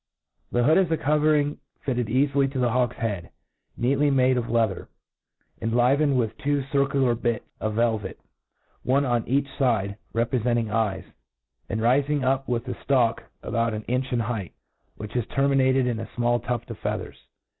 The Hood is a covering fitted eafily to the hawk's head j neatly made of leather j enliven ^fd with two circular bits of velvet, one on each fide. fide, rcprdchting eyes } and rifirig up with a ftalk about an inch in'height^ which terminated in afirlall tuft of feathers.